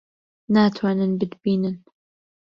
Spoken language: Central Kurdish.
ناتوانن بتبینن.